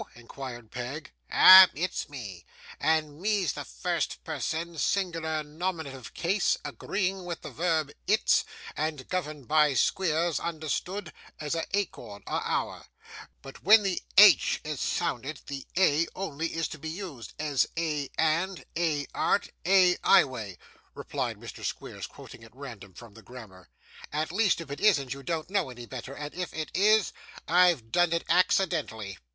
inquired Peg. 'Ah! it's me, and me's the first person singular, nominative case, agreeing with the verb "it's", and governed by Squeers understood, as a acorn, a hour; but when the h is sounded, the a only is to be used, as a and, a art, a ighway,' replied Mr. Squeers, quoting at random from the grammar. 'At least, if it isn't, you don't know any better, and if it is, I've done it accidentally.